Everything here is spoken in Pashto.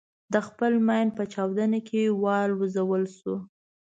د خپل ماین په چاودنه کې والوزول شو.